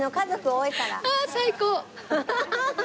ああ最高！